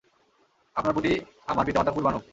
আপনার প্রতি আমার পিতা-মাতা কুরবান হোক!